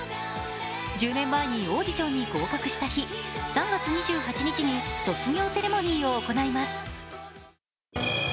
１０年前にオーディションに合格した日、３月２８日に卒業セレモニーを行います。